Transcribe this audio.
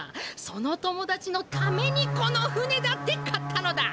その友だちのためにこの船だって買ったのだ！